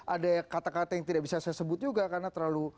ada kata kata yang tidak bisa saya sebut juga karena terlalu